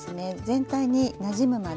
全体になじむまで。